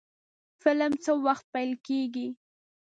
فلم څه وخت پیل کیږي؟